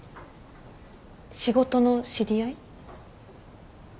仕事の知り合い？